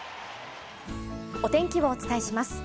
お天気をお伝えします。